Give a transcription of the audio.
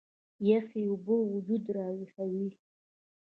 يخې اوبۀ وجود راوېخوي